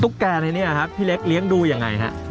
ตุ๊กแก่นี้นะครับพี่เล็กเลี้ยงดูี้อย่างไรนะครับ